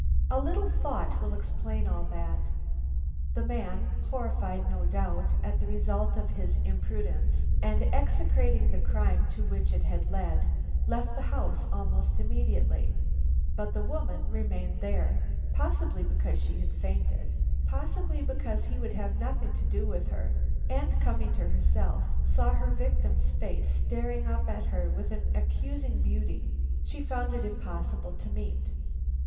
A little thought will explain all that. The man, horrified, no doubt, at the result of his imprudence, and execrating the crime to which it had led, left the house almost immediately. But the woman remained there, possibly because she had fainted, possibly because he would have nothing to do with her; and coming to herself, saw her victim's face staring up at her with an accusing beauty she found it impossible to meet.